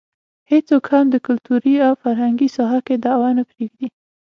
هېڅوک هم د کلتوري او فرهنګي ساحه کې دعوه نه پرېږدي.